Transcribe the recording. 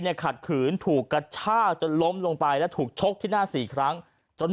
ในขัดขืนถูกกระช่าล้มลงไปและถูกชกที่หน้า๔ครั้งจน